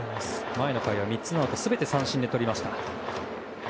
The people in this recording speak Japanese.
前の回は３つのアウト全て三振で取りました。